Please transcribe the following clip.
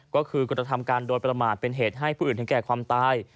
ก็คือกระทำการโดยประมาทเป็นเหตุให้ผู้อื่นถึงแก่ความตาย